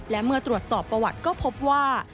และเมื่อตรวจสอบประวัติก็พบว่า